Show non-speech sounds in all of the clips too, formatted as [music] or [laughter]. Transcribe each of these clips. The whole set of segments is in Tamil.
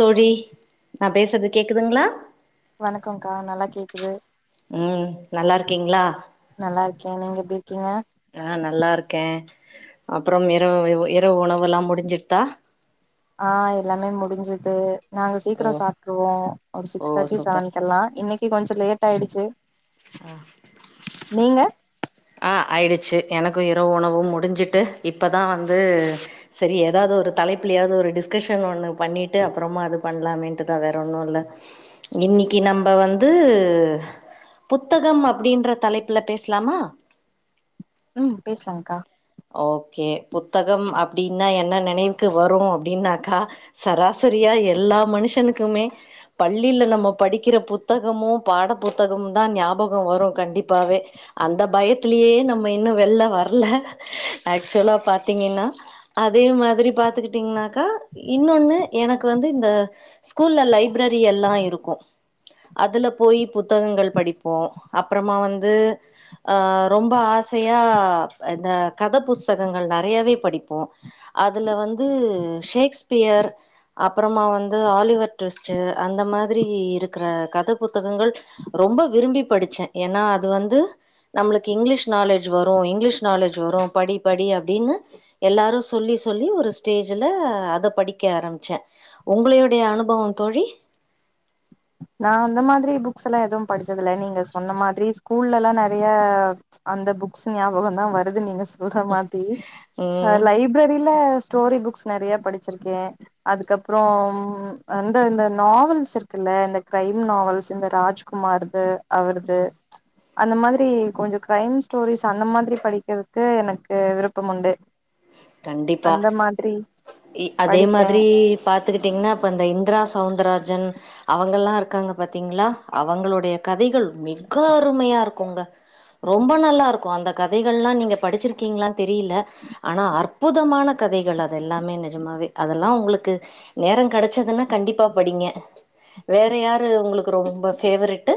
தோழி நான் பேசுறது கேக்குதுங்களா வணக்கம்கா நல்லா கேக்குது ம் நல்லா இருக்கீங்களா நல்லா இருக்கே நீங்க எப்டி இருக்கீங்க ஆ நல்லா இருக்கே அப்புறம் இரவு இரவு உணவெல்லா முடிஞ்சிருதா ஆ எல்லாமே முடிஞ்சுது நாங்க ஓ சீக்கிரோ சாப்பிட்டுருவோம் ஒரு ஓ சிக்ஸ் தேர்ட்டி சூப்பர் செவன்கெல்லாம் இன்னைக் கொஞ்சோ லேட் ஆயிடுச்சு நீங்க ஆ ஆயிடுச்சு எனக்கும் இரவு உணவு முடிஞ்சுட்டு இப்பதா வந்து சரி ஏதாவது ஒரு தலைப்புலயாவது ஒரு டிஸ்கஷன் ஒண்ணு பண்ணிட்டு அப்புறமா அது பண்ணலாமேன்ட்டுதா வேற ஒன்னு இல்ல இன்னிக்கு நம்ப வந்து புத்தகம் அப்டின்ற தலைப்புல பேசலாமா ம் பேசலாங்க்கா ஓகே புத்தகம் அப்டின்னா என்ன நினைவுக்கு வரும் அப்டின்னாக்கா சராசரியா எல்லா மனுஷனுக்குமே பள்ளியில நம்ம படிக்கிற புத்தகமு பாட புத்தகமு தா ஞாபகம் வரு கண்டிப்பாவே அந்த பயத்திலயே நம்ம இன்னு வெளில வரல ஆக்சுவலா பாத்தீங்கன்னா அதே மாதிரி பாத்துக்கிட்டீங்கன்னாக்கா இன்னொன்னு எனக்கு வந்து இந்த ஸ்கூல்ல லைப்ரேரி எல்லா இருக்கு அதுல போயி புத்தகங்கள் படிப்போ அப்பறமா வந்து அ ரொம்ப ஆசையா இந்த கத புஸ்தகங்கள் நெறையாவே படிப்போ அதுல வந்து ஷேக்ஸ்பியர் அப்பறமா வந்து ஆலிவர் டிவிஸ்ட் அந்த மாதிரி இருக்கிற கத புத்தகங்கள் ரொம்ப விரும்பி படிச்சே ஏன்னா அது வந்து நம்மளுக்கு இங்கிலீஷ் நாலேஜ் வரு இங்கிலீஷ் நாலேஜ் வரு படி படி அப்டின்னு எல்லாரு சொல்லி சொல்லி ஒரு ஸ்டேஜ்ல அத படிக்க ஆரம்பிச்சே உங்களுடைய அனுபவோ தோழி நா அந்த மாதிரி புக்ஸ் எல்லா எதுவு படிச்சதுல நீங்க சொன்ன மாதிரி ஸ்கூல்ல எல்லா நெறைய அந்த புக்ஸ் ஞாபகோ தா வருது நீங்க சொல்ற மாதிரி ஆ ம் லைப் லைப்ரேரில ஸ்டோரி புக்ஸ் நெறைய படிச்சிருக்கே அதுக்கப்பறோ அந்த இந்த நாவல்ஸ் இருக்குல்ல இந்த கிரைம் நாவல்ஸ் இந்த ராஜ்குமார்து அவரது ச் அந்த மாதிரி கொஞ்சோ கிரைம் ஸ்டோரிஸ் அந்த மாதிரி படிக்கிறதுக்கு எனக்கு விருப்பம் உண்டு கண்டிப்பா அந்த மாதிரி அதே படிப்பே மாதிரி பாத்துக்கிட்டிங்கன்னா இப்போ இந்திரா சவுந்தர்ராஜன் அவங்கெல்லா இருக்காங்க பாத்தீங்களா அவங்களுடைய கதைகள் மீக அருமையா இருக்குங்க ரொம்ப நல்லா இருக்கு அந்த கதைகள் எல்லா நீங்க படிச்சிருக்கீங்களானு தெரியல ஆனா அற் புதமான கதைகள் அதெல்லாமே நிஜமாவே அதெல்லா உங்களுக்கு நேரோ கிடச்சதுன்னா கண்டிப்பா படிங்க வேற யாரு உங்களுக்கு ரொம்ப ஃபேவரட்டு்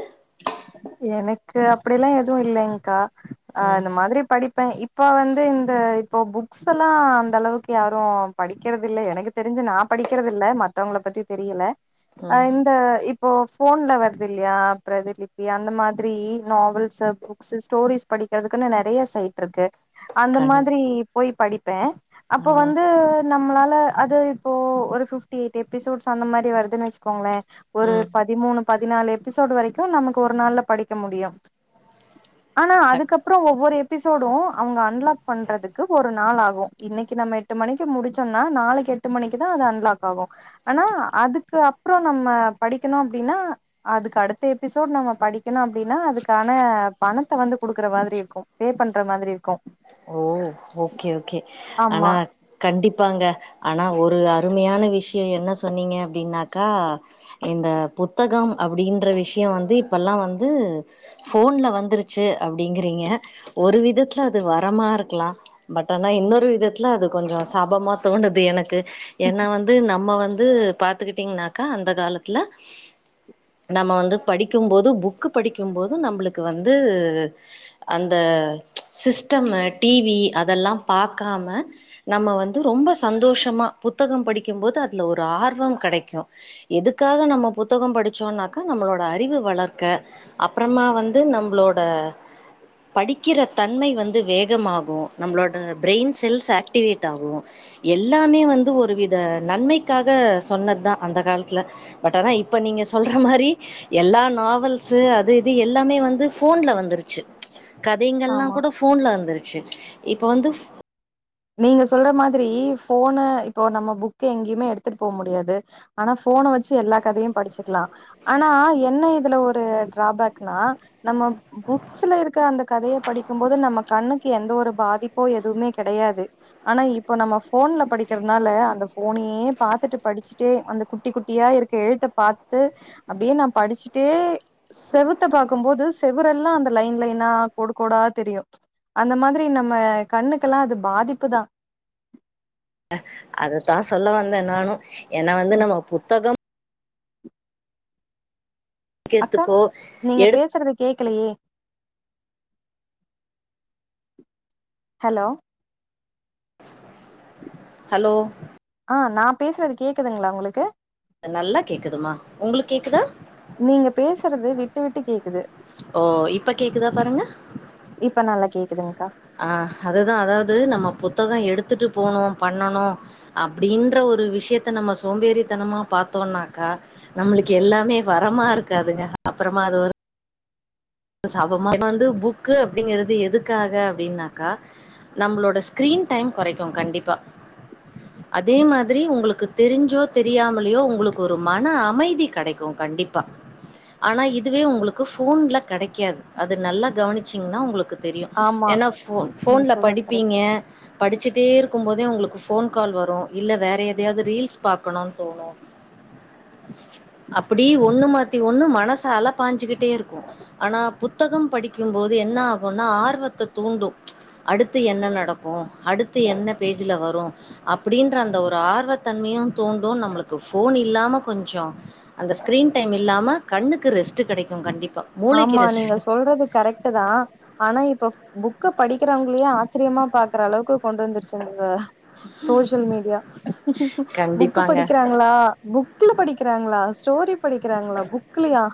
எனக்கு அப்டில்லா எதுவு இல்லைங்க்கா அ ம் இந்த மாதிரி படிப்பே இப் இப்போ வந்து இந்த இப்போ புக்ஸ் எல்லா அந்த அளவுக்கு யாரு படிக்கிறத இல்ல எனக்கு தெரிஞ்சு நா படிக்கிறத இல்ல மத்தவங்கள பத்தி தெரியல அ ம் இந்த இப்போ போன்ல வருது இல்லையா ப்றதீலி அந்த மாதிரி நாவல்ஸ் புக்ஸ் ஸ்டோரிஸ் படிக்கிறதுக்குன்னு நெறைய சைட் இருக்கு அந்த கண்டி மாதிரி போய் படிப்பே அப்போ ஆ வந்து நம்மளால அது இப்போ ஒரு பிப்டி எயிட் எபிசோட்ஸ் அந்த மாதிரி வருதுன்னு வச்சுக்கோங்களே ஒரு ம் பதிமூணு பதினாலு எபிசோடு் வரைக்கு நமக்கு ஒரு நாள்ல படிக்க முடியு ஆனா கண் அதுக்கப்பறோ ஒவ்வொரு எபிசோடு அவங்க அன்லாக் பண்றதுக்கு ஒரு நாள் ஆகு இன்னைக்கு நம்ம எட்டு மணிக்கு முடிச்சோன்னா நாளைக்கு எட்டு மணிக்கு தா அது அன்லாக் ஆகு ஆனா அதுக்கு அப்பறோ நம்ம படிக்கணு அப்டின்னா அதுக்கு அடுத்த எப்பி அதோட நம்ம படிக்கணு அப்டின்னா அதுக்கான பணத்த வந்து கொடுக்குற மாதிரி இருக்கு பே பண்ற மாதிரி இருக்கு ஓ ஓகே ஓகே ஆமா ஆனா கண்டிப்பாங்க ஆனா ஒரு அருமையான விஷயோ என்ன சொன்னீங்க அப்டின்னாக்கா இந்த புத்தகம் அப்டின்ற விஷயோ வந்து இப்பெல்லா வந்து ஃபோன்ல வந்துருச்சு அப்டிங்கிறீங்க ஒரு விதத்துல அது வரமா இருக்கலா பட் ஆனா இன்னொரு விதத்துல அது கொஞ்சோ சாபமா தோணுது எனக்கு என்ன வந்து நம்ம வந்து பாத்துக்கிட்டீங்கனாக்கா அந்த காலத்துல நம்ம வந்து படிக்கும்போது புக்கு படிக்கும்போது நம்பளுக்கு வந்து அந்த சிஸ்டம்மு டிவி அதெல்லா பாக்காம நம்ம வந்து ரொம்ப சந்தோஷமா புத்தகம் படிக்கும்போது அதுல ஒரு ஆர்வம் கிடைக்கு எதுக்காக நம்ம புத்தகோ படிச்சோன்னாக்கா நம்மளோட அறிவு வளர்க்க அப்புறமா வந்து நம்மளோட படிக்கிற தன்மை வந்து வேகமாகு நம்மளோட பிரெயின் செல்ஸ் ஆக்டிவேட் ஆகு எல்லாமே வந்து ஒரு வித நன்மைக்காக சொன்னதுதா அந்த காலத்துல பட் ஆனா இப்ப நீங்க சொல்ற மாரி எல்லா நாவல்ஸ்சு அது இது எல்லாமே வந்து ஃபோன்ல வந்துருச்சு கதைங்கள்ல்லா ஆமா கூட போன்ல வந்துருச்சு இப்ப வந்து நீங்க சொல்ற மாதிரி போனை இப்போ நம்ம புக் எங்கேயுமே எடுத்துட்டு போ முடியாது ஆனா ஃபோன வெச்சு எல்லா கதையு படிச்சுக்கலா ஆனா என்ன இதுல ஒரு டிராபேக்னா நம்ம புக்ஸ்ல இருக்க அந்த கதைய படிக்கும் போது நம்ம கண்ணுக்கு எந்த ஒரு பாதிப்போ எதுவுமே கெடையா து ஆனா இப்போ நம்ம ஃபோன்ல படிக்கிறதுனால அந்த ஃபோனையே பாத்துட்டு படிச்சிட்டே அந்த குட்டி குட்டியா இருக்க எழுத்த பாத்து அப்டியே நா படிச்சிட்டே செவத்த பாக்கும்போது செவரெல்லா அந்த லைன் லைன்னா கோடு கோடா தெரியு அந்த மாதிரி நம்ம கண்ணுக்கெல்லா அது பாதிப்புதா அததா சொல்ல வந்தே நானு ஏன்னா வந்து நம்ம புத்தகம் அக்கா படிக்கிறதுக்கோ நீங்க எடுத் பேசுறத கேக்கலையே ஹலோ ஹலோ ஆ நா பேசுறது கேக்கதுங்களா உங்களுக்கு நல்லா கேக்குதுமா உங்களுக்கு கேக்குதா நீங்க பேசுறது விட்டு விட்டு கேக்குது ஓ! இப்ப கேக்குதா பாருங்க. இப்ப நல்லா கேக்குதுங்க்கா ஆ அதுதா அதாவது நம்ம புத்தக எடுத்துட்டு போணு பண்ணணு அப்டின்ற ஒரு விஷயத்த நம்ம சோம்பேறித்தனமா பாத்தோன்னாக்கா நம்மளுக்கு எல்லாமே வரமா இருக்காதுங்க அப்பறமா அது ஒரு சாபமா வந்து புக் அப்டிங்கறது எதுக்காக அப்படின்னாக்கா நம்மளோட ஸ்கிரீன் டைம் கொறைக்கு கண்டிப்பா அதே மாதிரி உங்களுக்கு தெரிஞ்சோ தெரியாமலயோ உங்களுக்கு ஒரு மன அமைதி கெடைக்கு கண்டிப்பா ஆனா இதுவே உங்களுக்கு ஃபோன்ல கெடைக்காது அது நல்லா கவனிச்சீங்கன்னா உங்களுக்கு தெரியு ஆமா ஏன்னா ஃபோன் நீங்க ஃபோன்ல சொல்றது கரெக்ட் படிப்பீங்க படிச்சிட்டே இருக்கும்போதே உங்களுக்கு ஃபோன் கால் வரு இல்ல வேற எதையாவது ரீல்ஸ் பாக்கணுன்னு தோணு அப்படியே ஒண்ணு மாத்தி ஒண்ணு மனசு அலை பாஞ்சுக்கிட்டே இருக்கு ஆனா புத்தகம் படிக்கும்போது என்ன ஆகுன்னா ஆர்வத்த தூண்டு அடுத்து என்ன நடக்கு அடுத்து என்ன பேஜில வரு அப்படின்ற அந்த ஒரு ஆர்வத்தன்மையு தூண்டு நம்மளுக்கு ஃபோன் இல்லாம கொஞ்சோ அந்த ஸ்கிரீன் டைம் இல்லாம கண்ணுக்கு ரெஸ்ட்டு கெடைக்கு கண்டிப்பா மூளைக்கு ஆமா நீங்க ரெஸ்ட் சொல்றது கரெக்ட்டுதா ஆனா இப்ப புக்கு படிக்கிறவங்களையு ஆச்சரியமா பாக்குற அளவுக்கு கொண்டு வந்துருச்சு இந்த சோசியல் மீடியா புக்கு கண்டிப்பாங்க. படிக்கிறா லா புக்ல படிக்கிறாங்களா ஸ்டோரி படிக்கிறாங்களா புக்லயா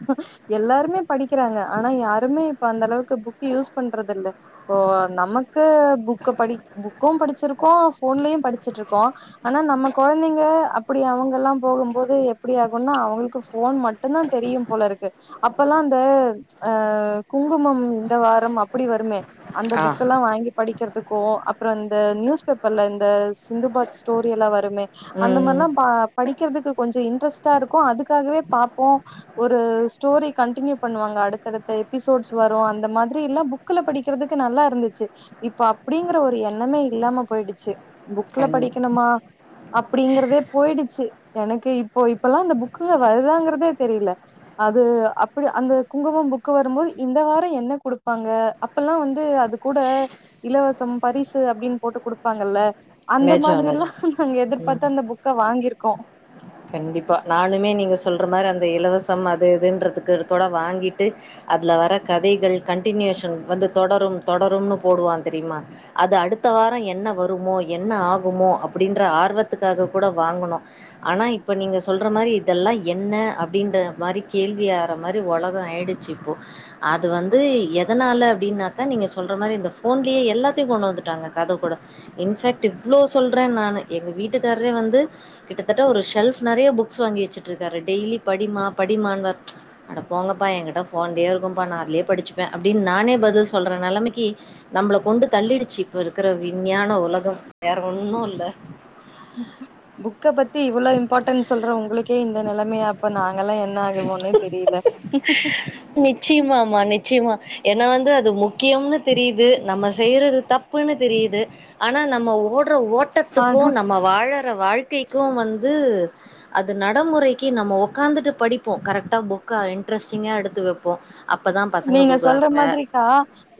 எல்லாருமே படிக்கிறாங்க ஆனா யாருமே இப்ப அந்த அளவுக்கு புக் யூஸ் பண்றது இல்ல இப்போ நமக்கு புக்க படி புக்கு படிச்சிருக்கோ ஃபோன்லயு படிச்சிட்டு இருக்கோ ஆனா நம்ம கொழந்தைங்க அப்டி அவங்க எல்லா போகும்போது எப்டி ஆகுன்னா அவங்களுக்கு ஃபோன் மட்டு ட்டுதா தெரியு போல இருக்கு அப்பெல்லா அந்த ஆ குங்குமம் இந்த வாரம் அப்டி வருமே அந்த ஆ. புக்க எல்லா வாங்கி படிக்கிறதுக்கோ அப்றோ இந்த நியூஸ் பேப்பர்ல இந்த சிந்துபாத் ஸ்டோரி எல்லா வருமே அந்த ம். மார்லா ப படிக்கிறதுக்கு கொஞ்சோ இன்ட்ரெஸ்ட்டா இருக்கு அதுக்காகவே பாப்போ ஒரு ஸ்டோரி கண்டினியூ பண்ணுவாங்க அடுத்தடுத்த எபிசோட்ஸ் வரு அந்த மாதிரி எல்லா புக்ல படிக்கிறதுக்கு நல்லா இருந்தச்சு இப்ப அப்டிங்கற ஒரு எண்ணமே இல்லாம போயிடுச்சு புக்ல கண் படிக்கணுமா அப்டிங்கறதே போயிடுச்சு எனக்கு இப்போ இப்பல்லா அந்த புக்குங்க வருதாங்கிறதே தெரில அது அப்டியா அந்த குங்குமம் புக்கு வரும்போது இந்த வாரம் என்ன குடுப்பாங்க அப்பல்லா வந்து அது கூட இலவசம் பரிசு அப்டின் போட்டு குடுப்பாங்கில்ல அந்த நிஜம், மாதிரிலா நிஜம். நாங்க ம். எதிர்பார்த்து அந்த புக்க வாங்கியிருக்கோ கண்டிப்பா நானுமே நீங்க சொல்ற மாரி அந்த இலவசம் அது இதுன்றதுக்கு கூட வாங்கிட்டு அதுல வர கதைகள் கண்டினியுஷன் வந்து தொடரும் தொடரும்னு போடுவான் தெரியுமா அது அடுத்த வாரம் என்ன வருமோ என்ன ஆகுமோ அப்டின்ற ஆர்வத்துக்காக கூட வாங்குனோ ஆனா இப்ப நீங்க சொல்ற மாரி இதெல்லா என்ன அப்டின்ற மாரி கேள்வி ஆவற மாரி உலகம் ஆயிடுச் சிப்போ அது வந்து எதனால அப்டின்னாக்கா நீங்க சொல்ற மாரி இந்த போன்லயே எல்லாத்தையு கொண்டு வந்துட்டாங்க கத கூட இன்பேக்ட் இவ்ளோ சொல்ற நானு எங்க வீட்டுக்காரே வந்து கிட்டத் தட்ட ஒரு ஷெல்ப் நெறைய புக்ஸ் வாங்கி வச்சுட்டு இருக்காரு டெய்லியு படிமா படிமான்னு அட போங்கப்பா எங்கிட்ட போன்லயே இருக்கும்ப்பா நா அதுலே படிச்சிப்ப அப்டின்னு நானே பதில் சொல்ற நிலமைக்கி நம்மள கொண்டு தள்ளிடுச்சு இப்ப இருக்கிற விஞ்ஞான உலகம் வேற ஒன்னு இல்ல ம் ம் புக்க பத்தி இவ்ளோ இம்பார்ட்டண்ஸ் சொல்ற உங்களுக்கே இந்த நிலமையா அப்ப நாங்க எல்லா என்ன ஆகுமோன்னே தெரில நிச்சியமாம்மா நிச்சியமா ஏன்னா வந்து அது முக்கியம்னு தெரியுது நம்ம செய்யறது தப்புன்னு தெரிது ஆனா நம்ம ஓட்ற ஆனா ஓட்டத்துக்கு நம்ம வாழற வாழ்க்கைக்கு வந்து அது நடைமுறைக்கு நம்ம உக்காந்துட்டு படிப்போ கரெக்டா புக்கா இன்ட்ரெஸ்டிங்கா எடுத்து வெப்போ அப்ப தா பசங்க கூப்புடுவாங்க டா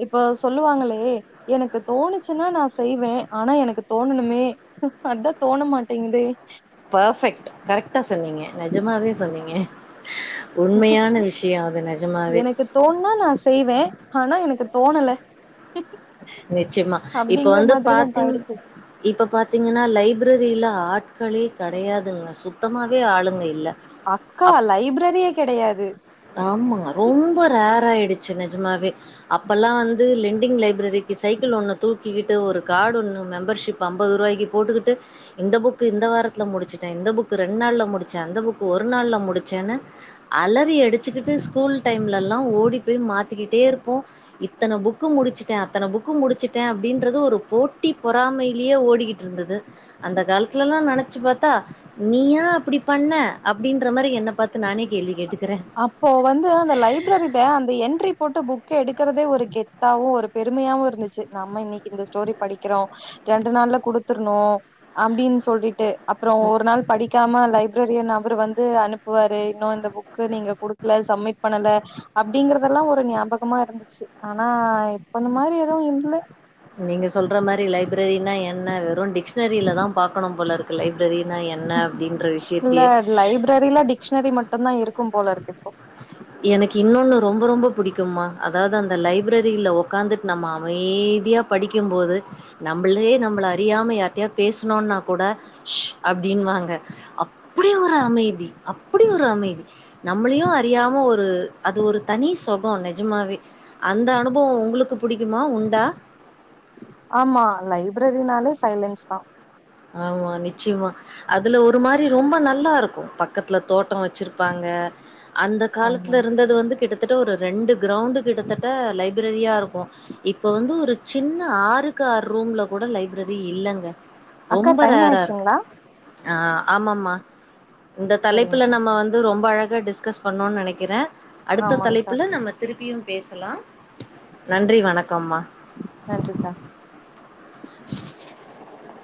இப்போ சொல்லுவாங்களே எனக்கு தோணுச்சுன்னா நா செய்வ ஆனா எனக்கு தோணணுமே அதா தோண மாட்டேங்குதே பர்ஃபெக்ட் கரெக்ட்டா சொன்னீங்க நிஜமாவே சொன்னீங்க உண்மையான விஷயம் அது நிஜமாமே தோண்ணா நா செய்வே ஆனா எனக்கு தோணல நிச்சிமா இப்ப அப்டிங்கிற வந்து மாதிரிதா இப்ப பாத்தீங் ஆயிடுச்சு இப்போ பாத்தீங்கன்னா லைப்ரரியில ஆட்களே கிடையாதுங்க சுத்தமாவே ஆளுங்க இல்ல அக்கா லைப்ரரியே கிடையாது ஆமா ரொம்ப ரேர் ஆயிடுச்சு நிஜமாவே அப்பெல்லா வந்து லெண்டிங் லைப்ரரிக் கு சைக்கிள் ஒண்ணு தூக்கிட்டு ஒரு கார்டு ஒண்ணு மெம்பர்ஷிப் ஐம்பது ரூபாக்கு போட்டுக்கிட்டு இந்த புக் இந்த வாரத்துல முடிச்சுட்ட இந்த புக் ரெண்டு நாள்ல முடிச்ச அந்த புக் ஒரு நாள்ல முடிச்சன்னு அலறி அடிச்சுக்கிட்டு ஸ்கூல் டைம்ல எல்லா ஓடி போய் மாத்திக்கிட்டே இருப்போ இத்தன புக்கு முடிச்சிட்ட இத்தன புக்கு முடிச்சுட்ட அப்டின்றது ஒரு போட்டி பொறாமைலையே ஓடிக்கிட்டு இருந்தது அந்த கால்த்துலெல்லா நெனச்சு பாத்தா நீயா அப்டி பண்ண அப்டின்ற மாரி என்ன பாத்து நானே கேள்வி கேட்டுக் அப்போ வந்து அந்த லைப் ரரிட அந்த என்ட்ரி போட்டு புக் எடுக்கறதே ஒரு கெத்தாவு ஒரு பெருமையாவு இருந்துச்சி நம்ம இன்னைக் இந்த ஸ்டோரி படிக்கிறோ ரெண்டு நாள்ல குடுத்துருணு அப்டின் சொல்லிட்டு அப்பறோ ஒரு நாள் படிக்காம லைப்ரரியன் அவரு வந்து அனுப்புவாரு இன்னு இந்த புக் கு நீங்க குடுக்கல சம்மிட் பண்ணல அப்டிங்கறதெல்லா ஒரு ஞாபகமா இருந்துச்சி ஆனா இப்ப அந்த மாரி எதுவு இல்ல நீங்க சொல்ற மாரி லைப்ரரினா என்ன வெறு டிக்ஷனரில தா பாக்கணு போலருக் கு லைப்ரரினா என்ன அப்டின்ற விஷயத்தையே ப்ரரில டிக்ஷனரி மட்டுந்தா இருக்கும் போலருக்கு இப்போ எனக்கு இன்னோன்னு ரொம்ப ரொம்ப புடிக்கும்மா அதாவ்து அந்த லைப்ரரில ஒக்காந்துட் நம்ம அமைதியா படிக்கும்போது நம்பளே நம்மள அறியாம யார்ட்டயாத் பேஸ்னோன்னா கூட ஷ் அப்டின்வாங்க அப்பிடி ஒரு அமைதி அப்பிடி ஒரு அமைதி நம்மளையு அறியா ம ஒரு அது ஒரு தனி சொகோ நெஜமாவே அந்த அனுபவோ உங்களுக்கு புடிக்குமா உண்டா ஆமா லைப்ரரினாலே சைலன்ஸ் தா ஆமா நிச்சியமா அதுல ஒரு மா ரி ரொம்ப நல்லா இருக்கு பக்கத்துல தோட்டோ வெச்சிருப்பாங்க அந்த ஆமாங் காலத்துலிருந்தது வந்து கிட்டத்தட்ட ஒரு ரெண்டு க்ரவுண்டு கிட்டத்தட்ட லைப்ரரியா இருக்கு இப்ப வந்து ஒரு சின்ன ஆறுக்காற் ரூம்ல கூட லைப்ரரி இல்லங்க அக்கா ரொம்ப டைம் ரேரா இருக்கு ஆயிடுச்சுங்களா அ ஆமாமா இந்த தலைப்புல சரிங்கக்கா நம்ம வந்து ரொம்ப அழகா டிஸ்கஸ் பண்ணோன் நெனைக்கிறே அடுத்த ஆமாங்க்கா தலைப்புல நம்ம திருப்பியு பேசலாம் நன்றி வணக்கம்மா நன்றிக்கா [inaudible]